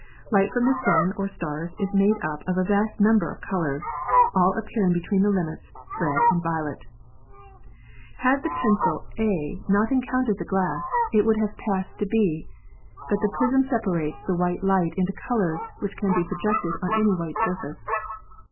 Light from the Sun or stars is made up of a vast number of colors, all appear ing between the limits red and violet. Had the pencil A MOTIONS OF THE STARS 273 not encountered the glass, it would have passed to B. But the prism separates the white light into colors which can be projected on any white surface.